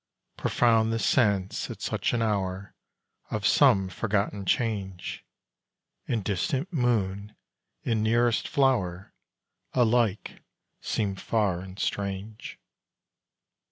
Profound the sense, at such an hour, Of some forgotten change; And distant moon and nearest flow'r Alike seem far and strange.